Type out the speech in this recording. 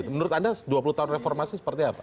menurut anda dua puluh tahun reformasi seperti apa